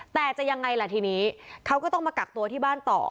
แต่จะยังไงล่ะทีนี้เขาก็ต้องมากักตัวที่บ้านต่อ